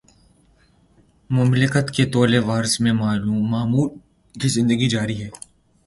مملکت کے طول وعرض میں معمول کی زندگی جاری ہے۔